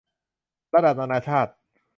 ระดับนานาชาติ